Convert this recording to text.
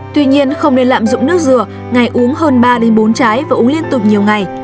tuy nhiên không nên lạm dụng nước dừa ngày uống hơn ba bốn trái và uống liên tục nhiều ngày